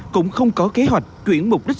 cũng không có kế hoạch chuyển mục đích